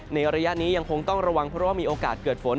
ในระยะนี้ยังคงต้องระวังเพราะว่ามีโอกาสเกิดฝน